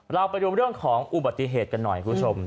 เราไปดูเรื่องของอุบัติเหตุกันหน่อยคุณผู้ชม